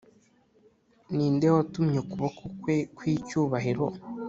Ni nde watumye ukuboko kwe kw icyubahiro